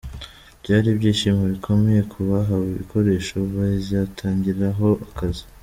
Byari ibyishimo bikomeye ku bahawe ibikoresho baziatangiriraho akazi.